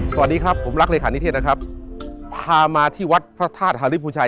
สวัสดีครับผมรักเลขานิเทศนะครับพามาที่วัดพระธาตุฮาริภูชัย